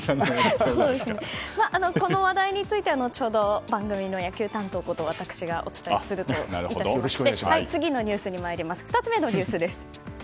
この話題については、後ほど番組の野球担当こと私がお伝えするといたしまして次のニュースにまいります。